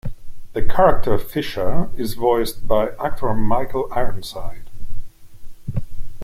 The character of Fisher is voiced by actor Michael Ironside.